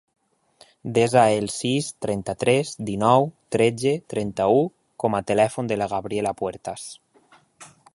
Desa el sis, trenta-tres, dinou, tretze, trenta-u com a telèfon de la Gabriela Puertas.